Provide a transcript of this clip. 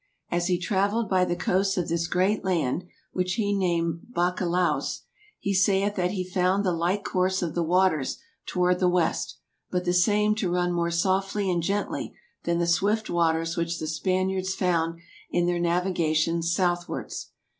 As hee traueiled by THE EARLY EXPLORERS 37 the coastes of this great land, (which he named Baccalaos) he saith that hee found the like course of the waters toward the West, but the same to runne more softly and gently than the swift waters which the Spaniards found in their Nauiga tions Southwards.